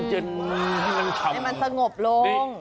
อ๋อให้มันสงบลง